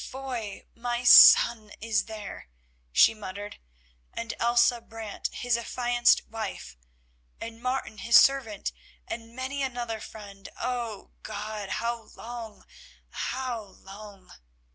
"Foy, my son, is there," she muttered, "and Elsa Brant his affianced wife, and Martin his servant, and many another friend. Oh! God, how long, how long?"